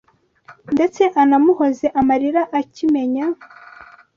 ndetse anamuhoze amarira akimenya